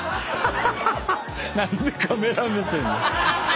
何でカメラ目線。